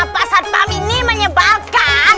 pak satpam ini menyebalkan